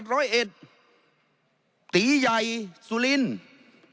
ตียัยธรรมรัฐสุลินศ์ชูศักดิ์แอดทองสุลินศ์วิวัสต์ชัยธรรมรัฐสนุน